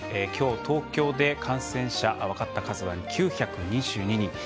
きょう、東京で感染者分かった数は９２２人。